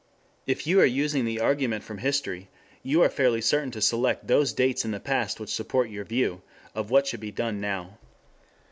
If you are using the argument from history you are fairly certain to select those dates in the past which support your view of what should be done now.